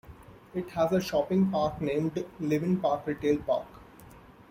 It has a shopping park named Leven Park retail park.